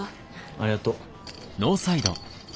ありがとう。